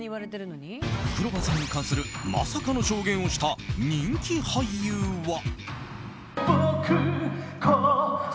黒羽さんに関するまさかの証言をした人気俳優は。